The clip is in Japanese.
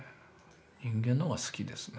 人間の方が好きですね。